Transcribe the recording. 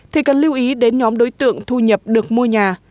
thì cần lưu ý đến nhóm đối tượng thu nhập được mua nhà